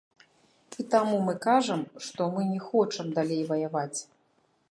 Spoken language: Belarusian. І таму мы кажам, што мы не хочам далей ваяваць.